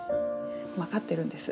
わかってるんです。